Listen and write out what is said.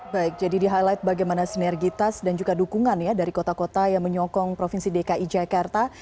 baik jadi di highlight bagaimana sinergitas dan juga dukungan ya dari kota kota yang menyokong provinsi dki jakarta